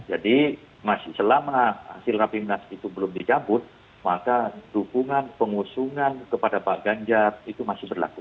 jadi selama hasil rafimnas itu belum dicampur maka dukungan pengusungan kepada pak ganjar itu masih berlaku